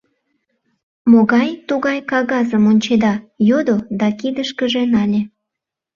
— Могай тугай кагазым ончеда? — йодо да кидышкыже нале.